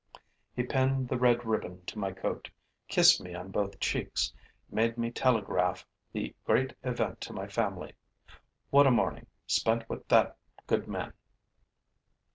He pinned the red ribbon to my coat, kissed me on both cheeks, made me telegraph the great event to my family. What a morning, spent with that good man!